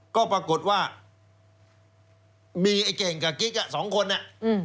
ก็ปรากฏว่ามีไอ้เก่งกับกิ๊กอ่ะสองคนน่ะ